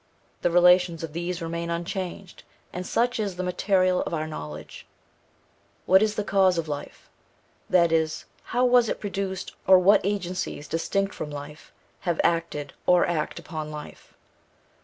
The relations of these remain unchanged; and such is the material of our knowledge. What is the cause of life? that is, how was it produced, or what agencies distinct from life have acted or act upon life?